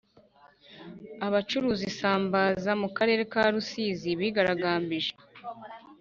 Abacuruza isambaaza mukarere ka rusizi bigaragambije